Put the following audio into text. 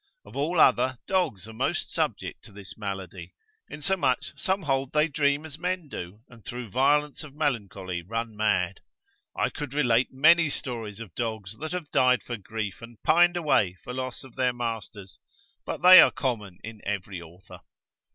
Of all other, dogs are most subject to this malady, insomuch some hold they dream as men do, and through violence of melancholy run mad; I could relate many stories of dogs that have died for grief, and pined away for loss of their masters, but they are common in every author.